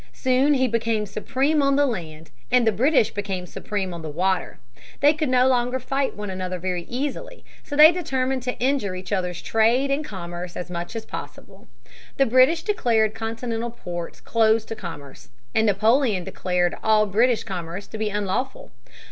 Soon he became supreme on the land, and the British became supreme on the water. They could no longer fight one another very easily, so they determined to injure each other's trade and commerce as much as possible. The British declared continental ports closed to commerce, and Napoleon declared all British commerce to be unlawful.